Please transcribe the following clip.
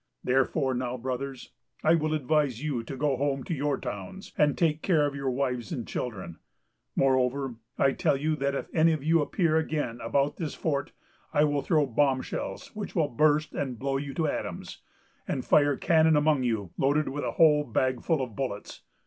Therefore, now, Brothers, I will advise you to go home to your towns, and take care of your wives and children. Moreover, I tell you that if any of you appear again about this fort, I will throw bombshells, which will burst and blow you to atoms, and fire cannon among you, loaded with a whole bag full of bullets.